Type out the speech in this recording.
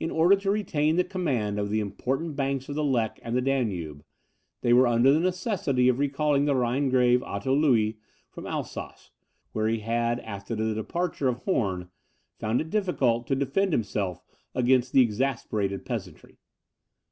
In order to retain the command of the important banks of the Lech and the Danube, they were under the necessity of recalling the Rhinegrave Otto Louis from Alsace, where he had, after the departure of Horn, found it difficult to defend himself against the exasperated peasantry.